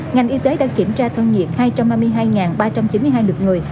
ngành y tế đã kiểm tra thân nhiệt hai trăm hai mươi hai ba trăm chín mươi hai lượt người